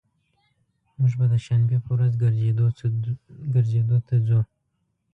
موږ به د شنبي په ورځ ګرځیدو ته ځو